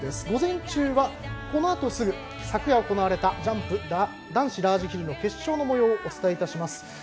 午前中、このあとすぐ昨夜行われたジャンプ男子ラージヒル決勝のもようをお伝えいたします。